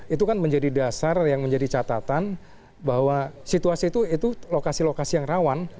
itu kan menjadi dasar yang menjadi catatan bahwa situasi itu lokasi lokasi yang rawan